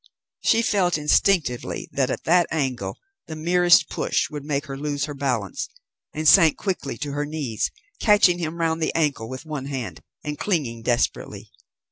She felt instinctively that at that angle the merest push would make her lose her balance, and sank quickly to her knees, catching him round the ankle with one hand, and clinging desperately.